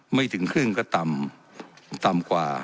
ไม่ถึงครึ่งก็ต่ำต่ำกว่า